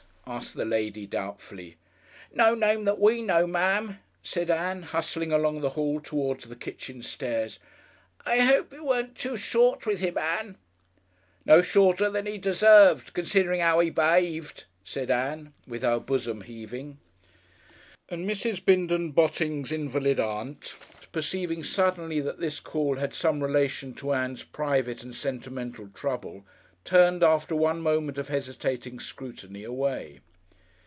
asked the lady, doubtfully. "No name that we know, Ma'am," said Ann, hustling along the hall towards the kitchen stairs. "I hope you weren't too short with him, Ann." "No shorter than he deserved, considering 'ow he be'aved," said Ann, with her bosom heaving. And Mrs. Bindon Botting's invalid Aunt, perceiving suddenly that this call had some relation to Ann's private and sentimental trouble, turned, after one moment of hesitating scrutiny, away.